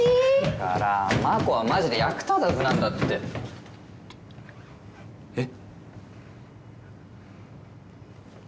だから真心はマジで役立たずなんだって。えっ。